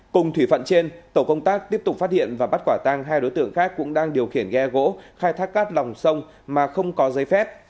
cùng thủy phận trên tổ công tác tiếp tục phát hiện và bắt quả tang hai đối tượng khác cũng đang điều khiển ghe gỗ khai thác cát lòng sông mà không có giấy phép